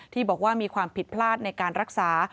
ที่บอกว่ามีความผิดพลาดในการรักษา